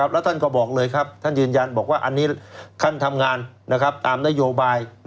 แล้วท่านก็บอกเลยครับท่านยืนยันบอกว่าอันนี้ท่านทำงานตามนโยบาย